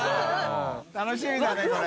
楽しみだねこれ。